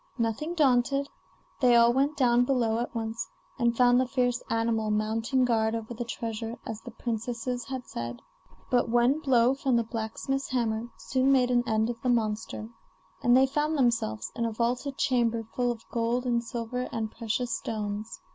Nothing daunted, they all went down below at once, and found the fierce animal mounting guard over the treasure as the princesses had said. But one blow from the blacksmith's hammer soon made an end of the monster, and they found themselves in a vaulted chamber full of gold and silver and precious stones.